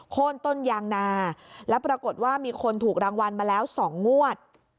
โค้นต้นยางนาแล้วปรากฏว่ามีคนถูกรางวัลมาแล้ว๒งวด